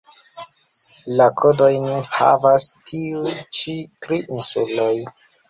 La kodojn havas tiu ĉi tri insuloj.